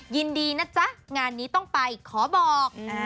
ยินดีนะจ๊ะงานนี้ต้องไปขอบอก